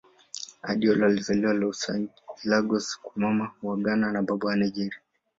Adeola alizaliwa Lagos kwa Mama wa Ghana na Baba wa Nigeria.